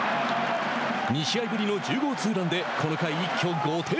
２試合ぶりの１０号ツーランでこの回、一挙５得点。